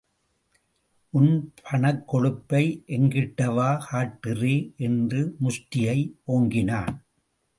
உன் பணக்கொழுப்பை எங்கிட்டவா காட்டறே?... என்று முஷ்டியை ஓங்கினான்.